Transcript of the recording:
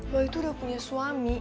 loh itu udah punya suami